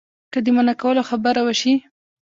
که د منع کولو خبره وشي.